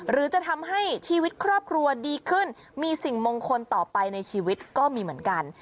หรือจะทำให้ชีวิตครอบครัวดีขึ้นมีสิ่งมงคลต่อไปในชีวิตก็มีเหมือนกัน